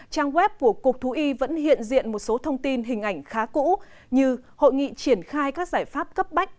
trang web của cục thú y vẫn hiện diện một số thông tin hình ảnh khá cũ như hội nghị triển khai các giải pháp cấp bách